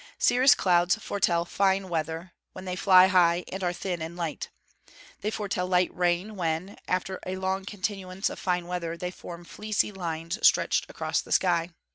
_ Cirrus clouds foretell fine weather, when they fly high, and are thin and light. They foretell light rain when, after a long continuance of fine weather, they form fleecy lines stretched across the sky.